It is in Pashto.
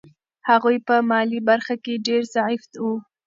هغوی په مالي برخه کې ډېر ضعیف وو.